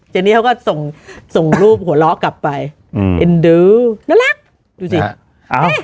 ทีนี้เขาก็ส่งส่งรูปหัวล้อกลับไปอืมน่ารักดูสิเอ้า